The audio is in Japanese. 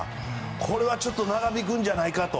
これはちょっと長引くんじゃないかなと。